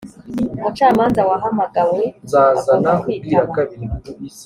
umucamanza wahamagawe agomba kwitaba.